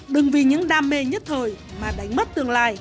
đừng vì những đam mê nhất thời mà đánh mất tương lai